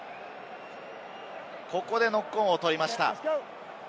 ここでノックオンを取りました。